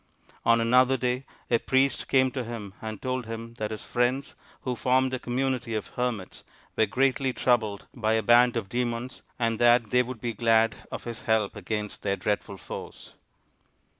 On another day a priest came to him and told him that his friends, who formed a community of hermits, were greatly troubled by a band of demons, and that they would be glad of his help against their dreadful foes.